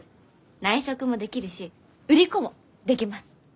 内職もできるし売り子もできます！